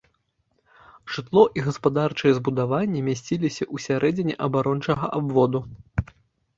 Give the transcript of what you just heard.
Жытло і гаспадарчыя збудаванні мясціліся ўсярэдзіне абарончага абводу.